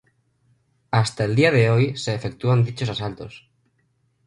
Hasta el día de hoy se efectúan dichos asaltos.